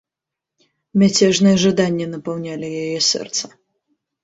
Мяцежныя жаданні напаўнялі яе сэрца.